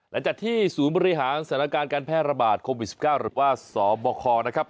หลังจากที่ศูนย์บริหารสถานการณ์การแพร่ระบาดโควิด๑๙หรือว่าสบคนะครับ